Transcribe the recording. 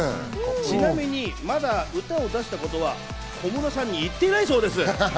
ちなみに、まだ歌を出したことは小室さんに言ってないそうです。